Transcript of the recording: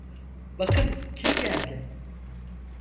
Bakın kim geldi.